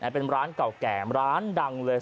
เป็นร้านเก่าแก่ร้านดังเลย